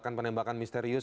terus penembakan misterius